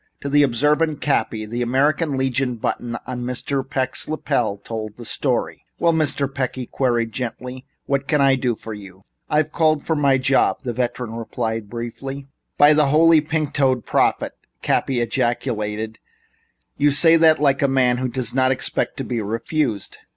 To the observant Cappy, the American Legion button in Mr. Peck's lapel told the story. "Well, Mr. Peck," he queried gently, "what can I do for you?" "I've called for my job," the veteran replied briefly. "By the Holy Pink toed Prophet!" Cappy ejaculated, "you say that like a man who doesn't expect to be refused."